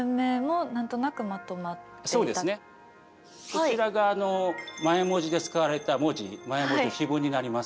こちらがマヤ文字で使われた文字マヤ文字の碑文になります。